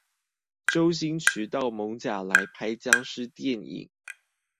周星馳到艋舺來拍殭屍電影